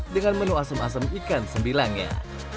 dengan menu asem asem ikan sembilannya